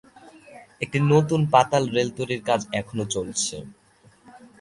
একটি নতুন পাতাল রেল তৈরির কাজ এখনো চলছে।